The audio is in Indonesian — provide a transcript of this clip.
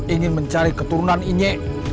ingin mencari keturunan ini